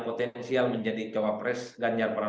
potensial menjadi jawab pres ganjar peronowo